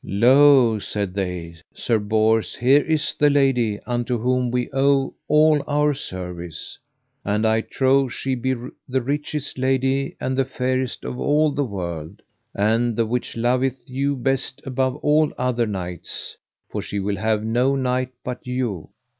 Lo, said they, Sir Bors, here is the lady unto whom we owe all our service, and I trow she be the richest lady and the fairest of all the world, and the which loveth you best above all other knights, for she will have no knight but you.